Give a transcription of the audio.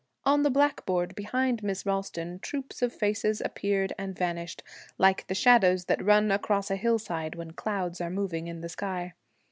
On the blackboard behind Miss Ralston troops of faces appeared and vanished, like the shadows that run across a hillside when clouds are moving in the sky.